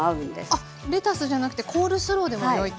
あっレタスじゃなくてコールスローでもよいと。